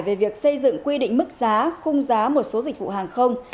về việc xây dựng quy định mức giá khung giá một số dịch vụ hàng không